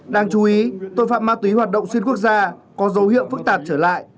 đáng chú ý tội phạm ma túy hoạt động xuyên quốc gia có dấu hiệu phức tạp trở lại